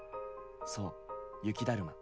そう雪だるま。